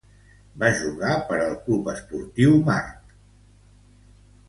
Va jugar per al Club Deportivo Marte.